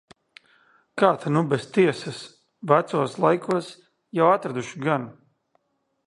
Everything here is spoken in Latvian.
Kā ta nu bez tiesas. Vecos laikos jau atraduši gan.